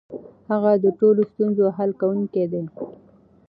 هغه د ټولو ستونزو حل کونکی دی.